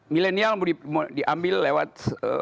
millenial mau diambil lewat